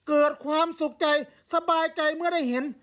เกิดความสุขใจสบายใจเมื่อได้เห็น